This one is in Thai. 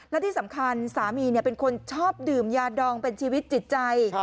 และที่สำคัญสามีเป็นคนชอบดื่มยาดองเป็นชีวิตจิตใจ